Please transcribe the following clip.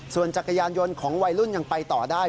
ส่วนจักรยานยนต์ของวัยรุ่นยังไปต่อได้